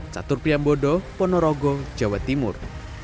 satu priyambodo ponorogo jawa timur